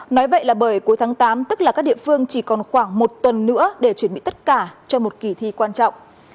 nói vậy là bởi cuối tháng tám tức là các địa phương chỉ còn khoảng một tuần nữa để chuẩn bị tất cả cho một kỳ thi quan trọng